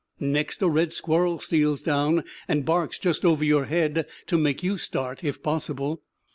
Next a red squirrel steals down and barks just over your head, to make you start if possible.